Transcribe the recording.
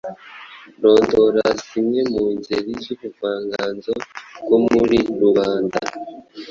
Rondora zimwe mu ngeri z’ubuvanganzo bwo muri rubanda